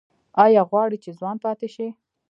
ایا غواړئ چې ځوان پاتې شئ؟